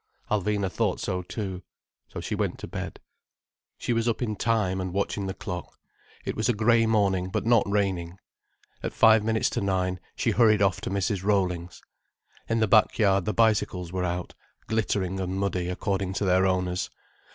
Alvina thought so too. So she went to bed. She was up in time, and watching the clock. It was a grey morning, but not raining. At five minutes to nine, she hurried off to Mrs. Rollings. In the back yard the bicycles were out, glittering and muddy according to their owners.